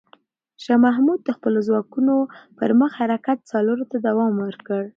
شاه محمود د خپلو ځواکونو پر مخ حرکت څارلو ته دوام ورکړ.